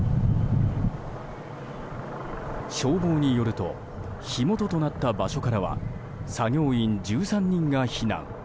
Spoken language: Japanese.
消防によると火元となった場所からは作業員１３人が避難。